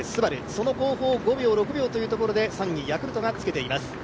その後方５秒、６秒というところで３位ヤクルトがつけています。